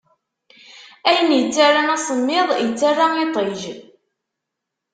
Ayen ittaran asemmiḍ, ittara iṭij.